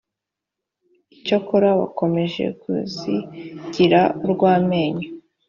icyakora bakomeje kuzigira urw amenyo